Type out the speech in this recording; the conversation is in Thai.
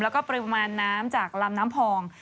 แล้วก็ปริมาณน้ำจากลำน้ำพอง